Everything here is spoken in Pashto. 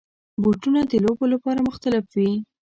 بوټونه د لوبو لپاره مختلف وي.